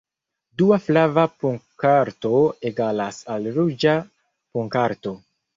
Dua flava punkarto egalas al ruĝa punkarto.